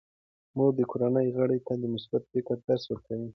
مور د کورنۍ غړو ته د مثبت فکر درس ورکوي.